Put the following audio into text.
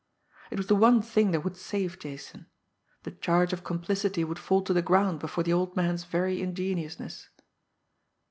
It was the one thing that would save Jason. The charge of complicity would fall to the ground before the old man's very ingenuousness!